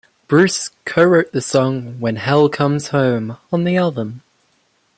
Bruce co-wrote the song "When Hell Comes Home" on the album.